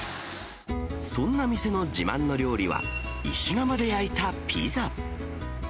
そんな店の自慢の料理は、石窯で焼いたピザ。